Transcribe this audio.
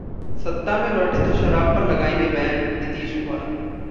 सत्ता में लौटे तो शराब पर लगाएंगे बैन: नीतीश कुमार